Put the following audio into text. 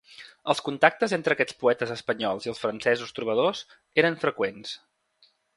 Els contactes entre aquests poetes espanyols i els francesos trobadors eren freqüents.